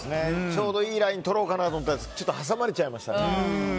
ちょうどいいラインをとろうかなと思ったらちょっと挟まれちゃいましたね。